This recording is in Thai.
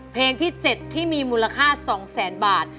เพลงที่๗ที่มีมูลค่า๒แสนบาท